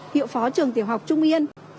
hiệu phó trường tiểu học trung yên